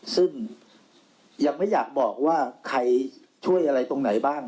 ซึ่งยังไม่อยากบอกว่าใครช่วยอะไรตรงไหนบ้าง